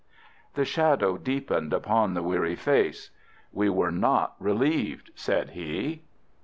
The shadow deepened upon the weary face. "We were not relieved," said he.